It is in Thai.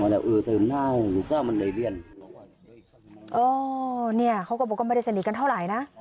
ว่าแหละเออเติมได้ลูกเจ้ามันไหลเรียนอ๋อเนี่ยเขาก็บอกว่าไม่ได้เซ็นต์กันเท่าไหร่นะ